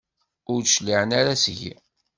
Ur d-cliɛen ara seg-i.